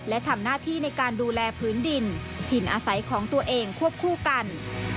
และทำหน้าที่ในการดูแลพื้นดินถิ่นอาศัยของตัวเองควบคู่กัน